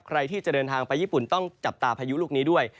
ใครที่จะเดินทางไปญี่ปุ่นต้องจับตาพายุลูกนี้ด้วย